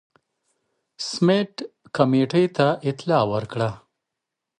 سمیت کمېټې ته اطلاع ورکړه.